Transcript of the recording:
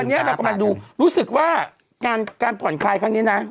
วันนี้เรากำลังดูรู้สึกว่าการผ่อนคลายครั้งนี้นะ